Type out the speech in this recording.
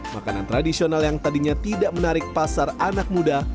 makanan tradisional yang tadinya tidak menarik pasar anak muda